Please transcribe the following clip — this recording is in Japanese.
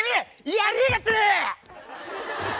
やりやがったな！